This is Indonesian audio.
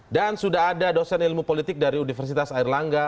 dan sudah ada dosen ilmu politik dari universitas air langga